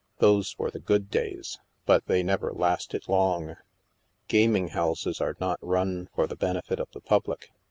Those were the good days, but they never lasted long. Gaming houses are not run for the benefit of the public.